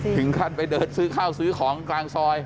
ถึงขั้นไปเดินซื้อข้าวซื้อของกลางซอย